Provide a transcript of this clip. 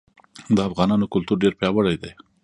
د افغانانو کلتور ډير پیاوړی دی.